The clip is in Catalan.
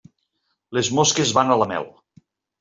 Les mosques van a la mel.